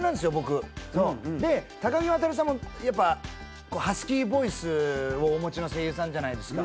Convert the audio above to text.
で高木渉さんもやっぱハスキーボイスをお持ちの声優さんじゃないですか。